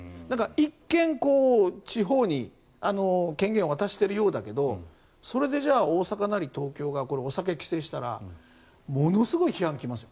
一見、地方に権限を渡してるようだけどそれで大阪なり東京がお酒を規制したらものすごい批判が来ますよ。